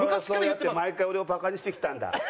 お前はそうやって毎回俺をバカにしてきたんだ。